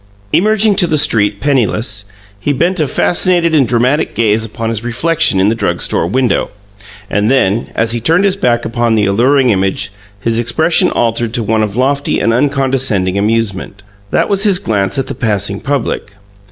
Emerging to the street, penniless, he bent a fascinated and dramatic gaze upon his reflection in the drug store window, and then, as he turned his back upon the alluring image, his expression altered to one of lofty and uncondescending amusement. That was his glance at the passing public.